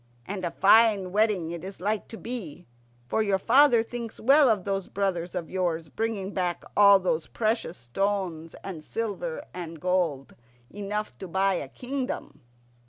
And a fine wedding it is like to be, for your father thinks well of those brothers of yours bringing back all those precious stones, and silver and gold enough to buy a kingdom."